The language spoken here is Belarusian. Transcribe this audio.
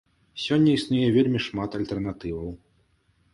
Сёння існуе вельмі шмат альтэрнатываў.